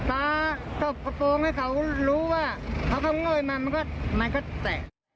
ตาตบกระโปรงให้เขารู้ว่าเขาก็โง่ยมามันก็มันก็แตก